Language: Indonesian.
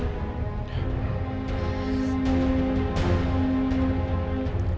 saya ingin tahu apa yang terjadi